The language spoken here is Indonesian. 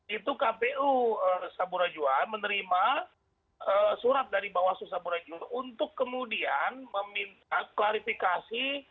itu kpu saburai jua menerima surat dari bawaslu saburai jua untuk kemudian meminta klarifikasi